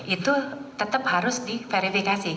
itu tetap harus diverifikasi